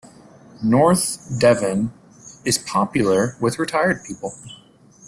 North Devon is popular with retired people.